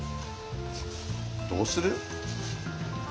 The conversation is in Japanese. どうする？